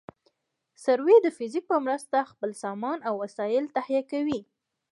سروې د فزیک په مرسته خپل سامان او وسایل تهیه کوي